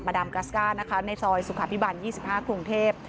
บริษัทมดามกาสก้านะคะในซอยสุขภิบัน๒๕สวงเทพฯ